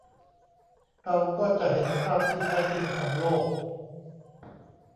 เราก็จะเห็นภาพที่แท้จริงของโลก